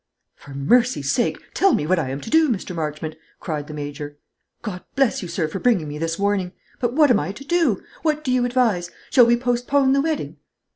"For mercy's sake, tell me what I am to do, Mr. Marchmont!" cried the Major. "God bless you, sir, for bringing me this warning! But what am I to do? What do you advise? Shall we postpone the wedding?"